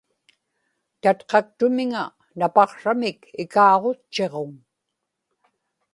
tatqaktumiŋa napaqsramik ikaaġutchiġuŋ